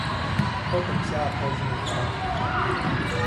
Τότε πια απόγινε η χαρά μου.